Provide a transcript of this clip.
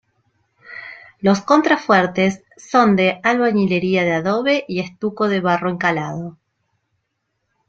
Los contrafuertes son de albañilería de adobe y estuco de barro encalado.